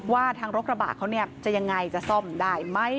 ว่าทางรถกระบะเขาจะยังไงจะซ่อมได้ไหม